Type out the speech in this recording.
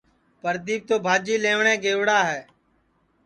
پردیپ تو بھاجی لئوٹؔے گئیوڑا ہے